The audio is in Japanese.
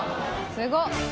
すごっ！